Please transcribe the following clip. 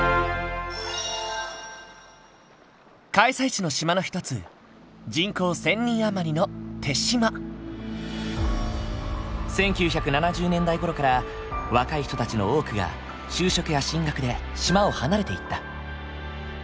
開催地の島の一つ人口１，０００人余りの１９７０年代ごろから若い人たちの多くが就職や進学で島を離れていった。